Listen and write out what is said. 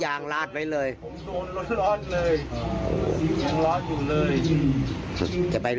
ยังไงเนี่ย